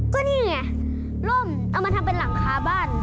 ก็นี่ไงร่มเอามาทำเป็นหลังคาบ้าน